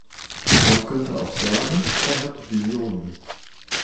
Man könnte auch sagen, er hat Visionen.